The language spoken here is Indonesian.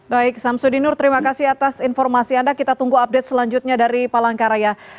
baik samsudinur terima kasih atas informasi anda kita tunggu update selanjutnya dari palangkaraya